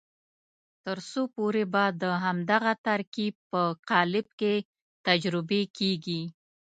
تر څو پورې به د همدغه ترکیب په قالب کې تجربې کېږي.